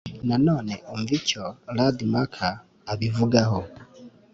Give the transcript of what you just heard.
Na none umva icyo Radmacher abivugaho: